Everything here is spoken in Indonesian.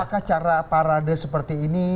apakah cara pak radar seperti ini